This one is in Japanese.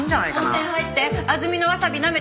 温泉入って安曇野わさびなめて地